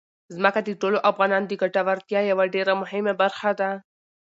ځمکه د ټولو افغانانو د ګټورتیا یوه ډېره مهمه برخه ده.